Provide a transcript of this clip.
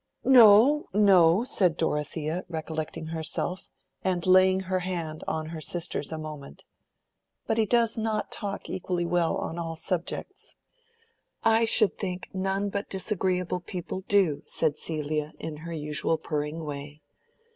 "No, no," said Dorothea, recollecting herself, and laying her hand on her sister's a moment, "but he does not talk equally well on all subjects." "I should think none but disagreeable people do," said Celia, in her usual purring way.